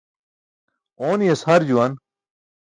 Ooni̇yas har juwan.